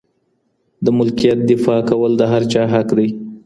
د ملکيت دفاع کول د هر چا حق دی.